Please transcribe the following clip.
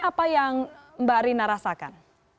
apa yang mbak rina rasakan